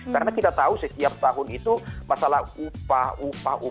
karena kita tahu setiap tahun itu masalah upah upah